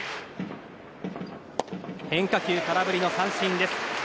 変化球、空振り三振です。